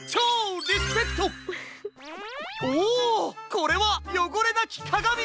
これは「よごれなきかがみ」！